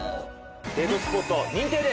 デートスポット認定で。